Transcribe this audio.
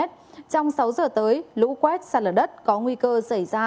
trong sáu giờ tới lũ quét sạt lở đất có nguy cơ xảy ra